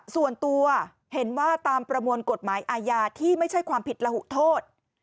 ส่วนตัวเห็นว่าตามประมวลกฎหมายอาญาที่ไม่ใช่ความผิดระหุโทษ